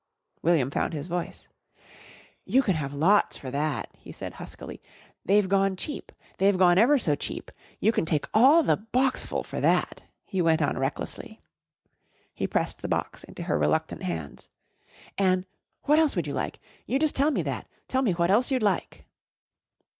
William found his voice. "You can have lots for that," he said huskily. "They've gone cheap. They've gone ever so cheap. You can take all the boxful for that," he went on recklessly. He pressed the box into her reluctant hands. "An' what else would you like? You jus' tell me that. Tell me what else you'd like?"